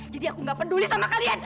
jadi aku gak peduli sama kalian